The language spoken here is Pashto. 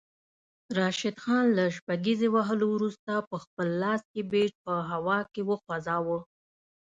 راشد خان له شپږیزې وهلو وروسته پخپل لاس کې بیټ په هوا کې وخوځاوه